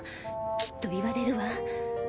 きっと言われるわ。